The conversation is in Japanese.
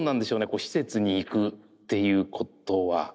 こう施設に行くっていうことは？